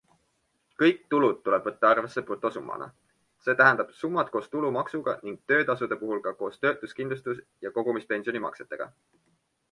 Kõik tulud tuleb võtta arvesse brutosummana, see tähendab summad koos tulumaksuga ning töötasude puhul ka koos töötuskindlustus- ja kogumispensionimaksetega.